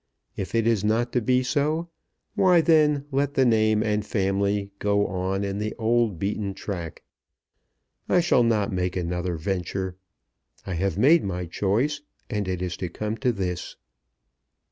If it is not to be so, why then let the name and family go on in the old beaten track. I shall not make another venture. I have made my choice, and it is to come to this."